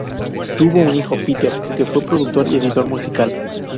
Tuvo un hijo, Peter, que fue productor y editor musical.